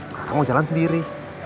sekarang mau jalan sendiri